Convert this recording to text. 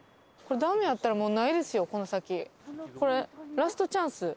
これダメやったらもうないですよこの先。